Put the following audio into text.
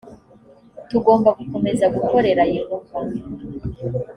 tugomba gukomeza gukorera yehova